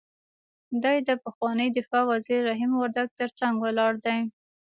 دی د پخواني دفاع وزیر رحیم وردګ تر څنګ ولاړ دی.